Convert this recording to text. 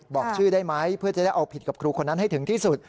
บอกชื่อได้ไหมเพื่อจะได้เอาผิดกับครูคนนั้นให้ถึงที่สุด